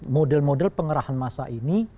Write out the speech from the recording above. model model pengerahan masa ini